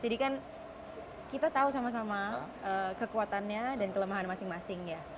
jadi kan kita tahu sama sama kekuatannya dan kelemahan masing masing ya